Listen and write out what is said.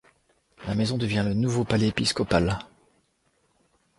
La maison devient le nouveau palais épiscopal.